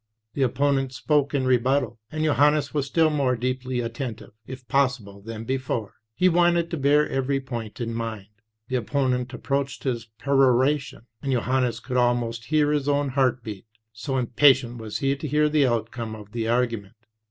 The opponent spoke in rebuttal, and Johannes was still more deeply attentive, if possible, than be fore; he wanted to bear every point in mind. The opponent approached his peroration, and Johannes could almost hear his own heart beat, so impatient was he to hear the outcome of the argument.